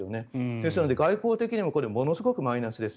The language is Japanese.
ですので外交的にもものすごくマイナスです。